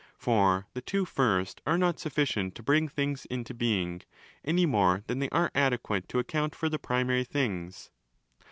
For the two first are not sufficient to bring things into being, any more than they are adequate to account for the primary things.